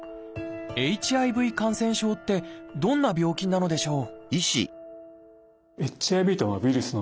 ＨＩＶ感染症ってどんな病気なのでしょう？